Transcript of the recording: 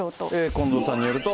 近藤さんによると。